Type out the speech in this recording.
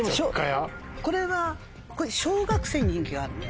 これは小学生に人気があるの？